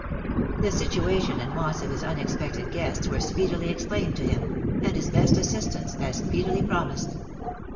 The situation and wants of his unexpected guests were speedily explained to him, and his best assistance as speedily pro mised.